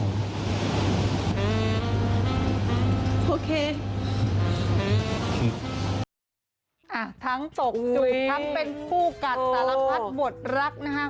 ทั้งสกจุทั้งเป็นคู่กันสาระพัดบทรักนะฮะ